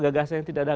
gagasan yang tidak ada